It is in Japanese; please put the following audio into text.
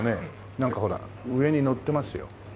なんかほら上にのってますよ。